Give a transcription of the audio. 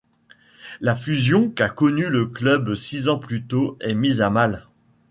La fusion qu'a connue le club six ans plus tôt est mise à mal.